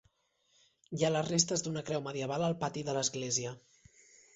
Hi ha les restes d'una creu medieval al pati de l'església.